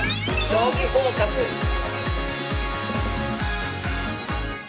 「将棋フォーカス」です。